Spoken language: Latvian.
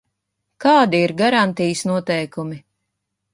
Kādi ir garantijas noteikumi?